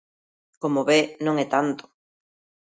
Como ve, non é tanto.